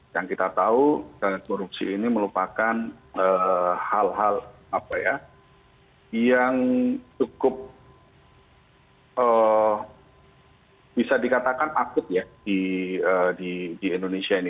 yang kita tahu korupsi ini merupakan hal hal yang cukup bisa dikatakan akut ya di indonesia ini